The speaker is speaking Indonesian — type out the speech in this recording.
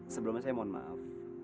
sebelumnya saya mohon maaf